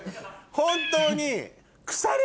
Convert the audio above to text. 本当に。